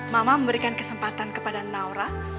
mama memberikan kesempatan kepada naura